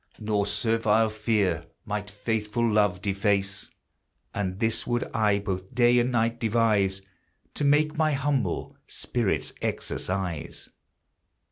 Nor servile fear might faithful love deface; And this would I both day and night devise To make my humble spirit's exercise.